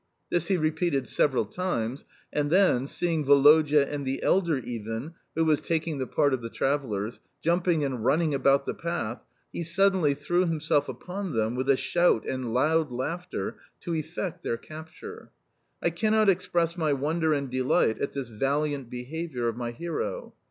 This he repeated several times, and then, seeing Woloda and the elder Iwin (who were taking the part of the travellers) jumping and running about the path, he suddenly threw himself upon them with a shout and loud laughter to effect their capture. I cannot express my wonder and delight at this valiant behaviour of my hero.